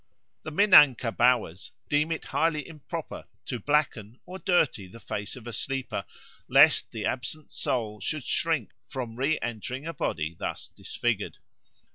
The Minangkabauers deem it highly improper to blacken or dirty the face of a sleeper, lest the absent soul should shrink from re entering a body thus disfigured.